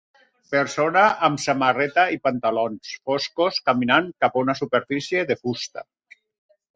Persona amb samarreta i pantalons foscos caminant cap a una superfície de fusta.